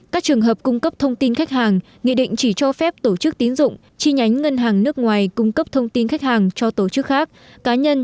các trường hợp cung cấp thông tin khách hàng nghị định chỉ cho phép tổ chức tín dụng chi nhánh ngân hàng nước ngoài cung cấp thông tin khách hàng của tổ chức tín dụng chi nhánh ngân hàng nước ngoài